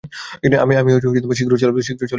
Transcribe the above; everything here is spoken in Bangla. আমি শীঘ্রই চলে আসব।